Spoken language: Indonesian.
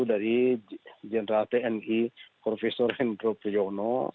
dari jenderal tni prof hendro priyono